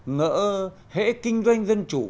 ngỡ hễ kinh doanh dân chủ